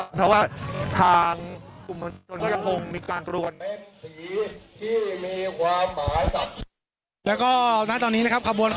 เพราะว่าทางกลุ่มมวลชนก็ยังคงมีการกรวน